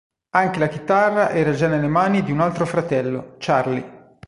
Anche la chitarra era già nelle mani di un altro fratello, Charlie.